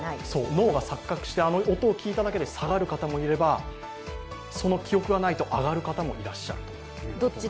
脳が錯覚して、あの音を聞いただけで下がる方もいれば、その記憶がないと上がる方もいらっしゃる。